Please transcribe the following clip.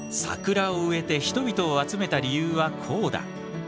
桜を植えて人々を集めた理由はこうだ。